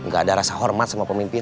gak ada rasa hormat sama pemimpin